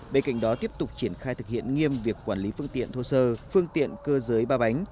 bên cạnh đó tiếp tục triển khai thực hiện nghiêm việc quản lý phương tiện thô sơ phương tiện cơ giới ba bánh